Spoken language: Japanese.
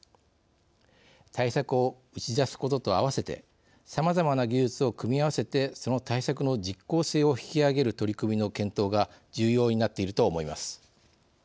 対策を打ち出すことと併せてさまざまな技術を組み合わせてその対策の実効性を引き上げる取り組みの検討が重要になっていると思います。